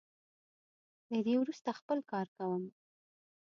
له دې وروسته خپل کار کوم.